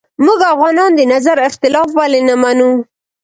موږ افغانان د نظر اختلاف ولې نه منو